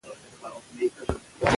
په ښوونځیو کې روسي فرهنګ تدریس کېده.